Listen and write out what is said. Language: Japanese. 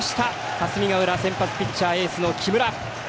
霞ヶ浦、先発ピッチャーエースの木村。